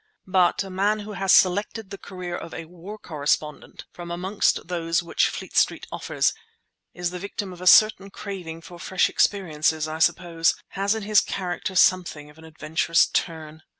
But a man who has selected the career of a war correspondent from amongst those which Fleet Street offers, is the victim of a certain craving for fresh experiences; I suppose, has in his character something of an adventurous turn.